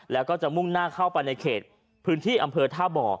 แล้วก็จะมุ่งหน้าเข้าไปในเขตพื้นที่อำเภอท่าบ่อ